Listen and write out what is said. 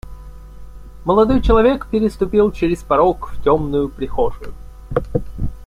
Молодой человек переступил через порог в темную прихожую.